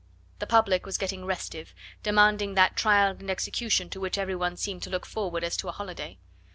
The public was getting restive, demanding that trial and execution to which every one seemed to look forward as to a holiday.